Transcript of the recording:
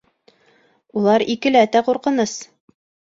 Улар икеләтә ҡурҡыныс.